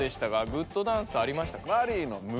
グッドダンスありましたか？